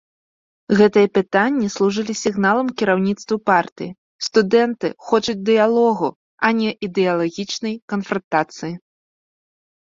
Гэтыя пытанні служылі сігналам кіраўніцтву партыі, студэнты хочуць дыялогу, а не ідэалагічнай канфрантацыі.